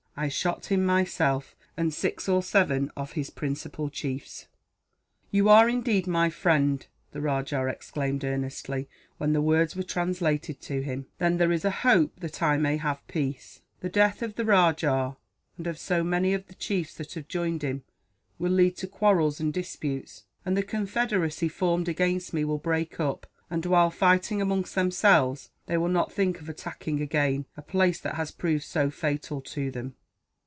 "I shot him myself, and six or seven of his principal chiefs." "You are indeed my friend!" the rajah exclaimed, earnestly, when the words were translated to him. "Then there is a hope that I may have peace. The death of the rajah, and of so many of the chiefs that have joined him, will lead to quarrels and disputes; and the confederacy formed against me will break up and, while fighting among themselves, they will not think of attacking, again, a place that has proved so fatal to them."